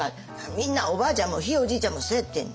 「みんなおばあちゃんもひいおじいちゃんもそやってん」